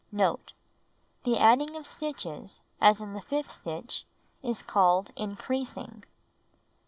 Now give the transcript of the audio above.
Note. — The adding of stitches, as in the fifth stitch, is called "increasing."